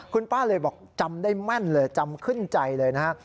คุณป้าเลยบอกจำได้แม่นเลยจำขึ้นใจเลยนะฮะ